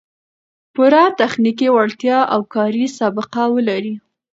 پوره تخنیکي وړتیا او کاري سابقه و لري